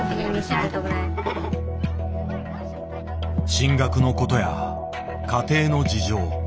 進学のことや家庭の事情。